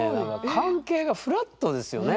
関係がフラットですよね。